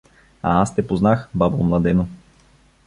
— А аз те познах, бабо Младено.